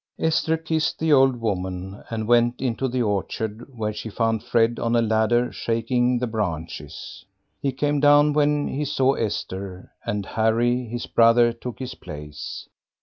Esther kissed the old woman, and went into the orchard, where she found Fred on a ladder shaking the branches. He came down when he saw Esther, and Harry, his brother, took his place.